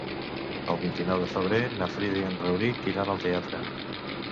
El vint-i-nou de febrer na Frida i en Rauric iran al teatre.